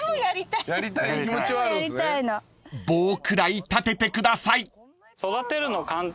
［棒くらい立ててください］